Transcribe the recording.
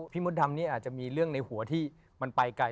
มดดำนี่อาจจะมีเรื่องในหัวที่มันไปไกล